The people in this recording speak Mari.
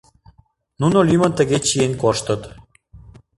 Нуно лӱмын тыге чиен коштыт.